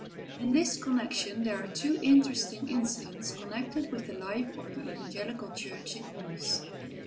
In this connection there are two interesting incidents connected with the life of the evangelical church in Homs.